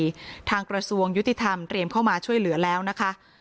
ตอนนี้ทางกระทรวงยุติธรรมเตรียมเข้ามาช่วยเหลือแล้วนะคะ